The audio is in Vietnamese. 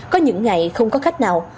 có những ngày không có khách nào